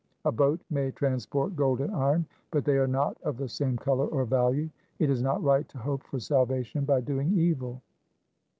A boat may transport gold and iron, but they are not of the same colour or value. It is not right to hope for salvation by doing evil.